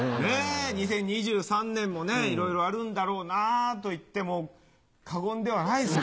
２０２３年もねいろいろあるんだろうなと言っても過言ではないですね。